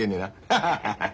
ハハハハ。